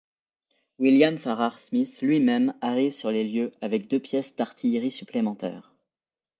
William Farrar Smith lui-même arrive sur les lieux avec deux pièces d’artillerie supplémentaires.